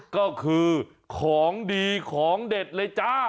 ก็คือของดีของเด็ดเลยจ้า